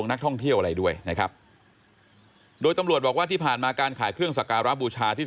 นะครับด้วยนะครับ